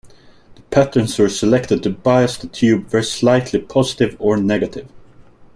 The patterns were selected to bias the tube very slightly positive or negative.